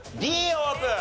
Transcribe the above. Ｄオープン！